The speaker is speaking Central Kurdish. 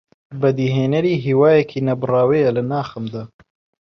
بەدیهێنەری هیوایەکی نەبڕاوەیە لە ناخماندا